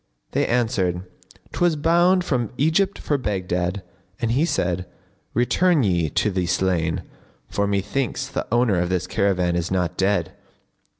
they answered, "'Twas bound from Egypt for Baghdad;" and he said, "Return ye to the slain, for methinks the owner of this caravan is not dead."